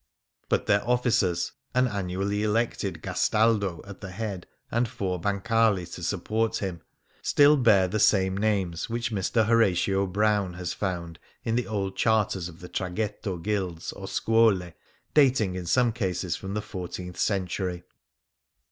But their officers — an annually elected Gastaldo at the head and four Bancali to support him — still bear the 50 The Grand Canal same names which Mr. Horatio Brown has found in the old charters of the traglietto guilds or scuole, dating in some cases from the fourteenth century.